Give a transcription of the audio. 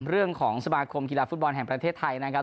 เรื่องของสมาคมกีฬาฟุตบอลแห่งประเทศไทยนะครับ